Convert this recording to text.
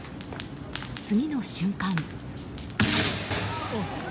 次の瞬間。